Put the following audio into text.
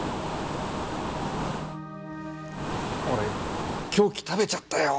俺凶器食べちゃったよ！